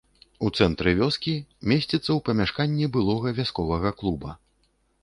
У цэнтры вёскі, месціцца ў памяшканні былога вясковага клуба.